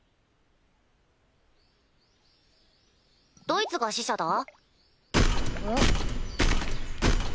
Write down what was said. どいつが使者だ？